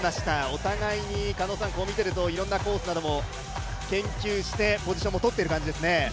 お互いに見ているといろいろなコースなども研究して、ポジションも取っている感じですね。